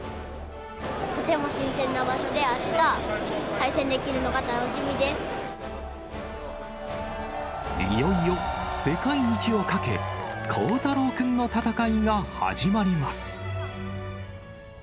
とても新鮮な場所で、あしたいよいよ世界一をかけ、幸太朗君の戦いが始まります。